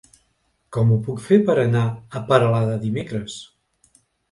Com ho puc fer per anar a Peralada dimecres?